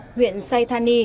nguyễn say thani